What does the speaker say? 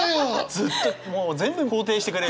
ずっともう全部肯定してくれる。